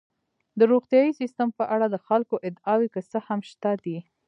د روغتیايي سیستم په اړه د خلکو ادعاوې که څه هم شته دي.